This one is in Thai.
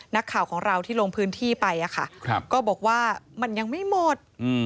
นักข่าวของเราที่ลงพื้นที่ไปก็บอกว่ามันยังไม่หมด